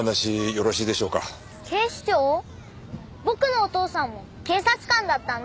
僕のお父さんも警察官だったんだ。